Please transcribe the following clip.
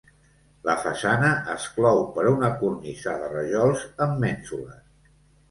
La façana es clou per una cornisa de rajols amb mènsules.